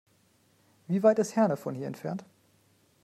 Wie weit ist Herne von hier entfernt?